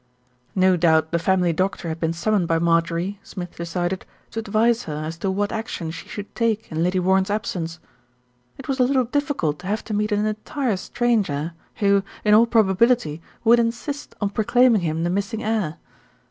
No doubt the family doctor had been summoned by Marjorie, Smith decided, to advise her as to what action she should take in Lady Warren's absence. It was a little difficult to have to meet an entire stranger, who, in all probability, would insist on proclaiming him the missing heir.